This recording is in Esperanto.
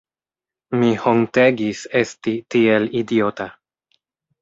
Mi hontegis esti tiel idiota.